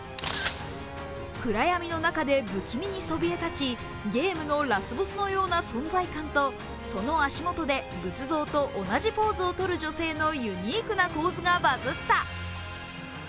暗闇の中で不気味にそびえ立ち、ゲームのラスボスのような存在感のその足元で仏像と同じポーズを撮る女性のユニークな構図がバズった。